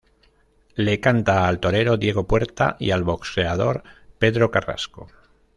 Le canta al torero Diego Puerta y al boxeador Pedro Carrasco.